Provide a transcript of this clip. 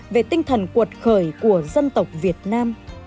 về tinh thần cuột khởi của dân tộc việt nam